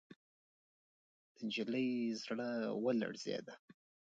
د نجلۍ زړه ولړزېد.